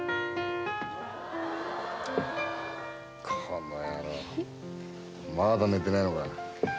「この野郎まだ寝てないのか」